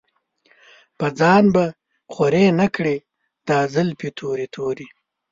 پۀ ځان به خوَرې نۀ کړې دا زلفې تورې تورې